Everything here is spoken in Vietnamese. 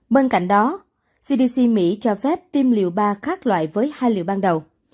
bên cạnh đó cdc mỹ cho phép tiêm liều ba khác loại với hai liệu ban đầu